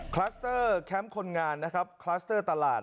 คลัสเตอร์แคมป์คนงานนะครับคลัสเตอร์ตลาด